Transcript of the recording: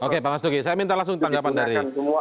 oke pak mas duki saya minta langsung tanggapan dari